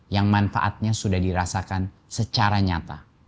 yang manfaatnya sudah dirasakan secara nyata